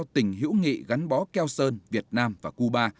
tình hữu nghị gắn bó keo sơn việt nam và cuba